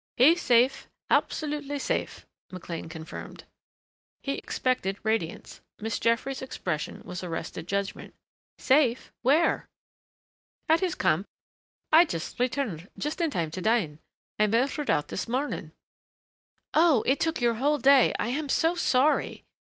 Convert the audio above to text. "He's safe absolutely safe," McLean confirmed. He expected radiance. Miss Jeffries' expression was arrested judgment. "Safe where?" "At his camp ... I just returned just in time to dine. I motored out this morning." "Oh!... It took your whole day. I am so sorry!"